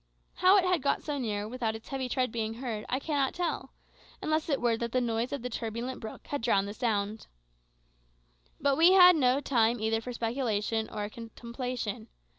How it had got so near without its heavy tread being heard I cannot tell, unless it were that the noise of the turbulent brook had drowned the sound. But we had no time either for speculation or contemplation.